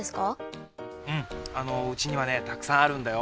うんうちにはねたくさんあるんだよ。